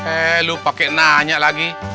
eh lupa pakai nanya lagi